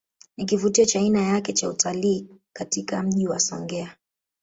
Ni kivutio cha aina yake cha utalii katika Mji wa Songea